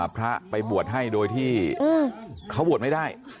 พระไปบวชให้โดยที่เขาบวชไม่ได้